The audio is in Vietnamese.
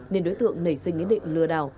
nên đối tượng nảy sinh ý định lừa đảo